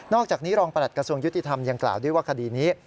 อกจากนี้รองประหลัดกระทรวงยุติธรรมยังกล่าวด้วยว่าคดีนี้